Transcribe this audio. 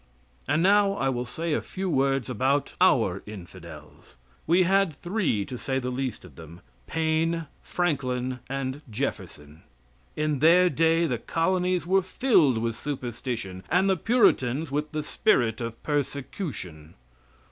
And now I will say a few words about our infidels. We had three, to say the least of them Paine, Franklin and Jefferson. In their day the colonies were filled with superstition, and the Puritans with the spirit of persecution.